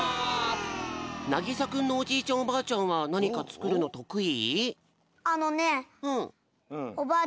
なぎさくんのおじいちゃんおばあちゃんはなにかつくるのとくい？